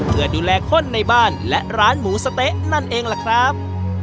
เพื่อดูแลคนในบ้านและร้านหมูสะเต๊ะนั่นเองล่ะครับ